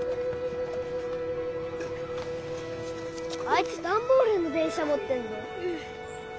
あいつ段ボールの電車持ってんの。